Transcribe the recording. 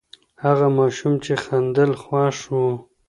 هغه ماشوم چې خندل، خوښ و.